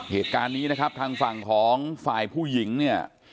เหตุการณ์นี้นะครับทางฝั่งของฝ่ายผู้หญิงเนี่ย